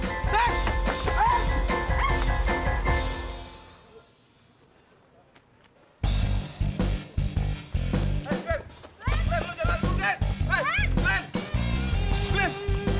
glenn jangan lari glenn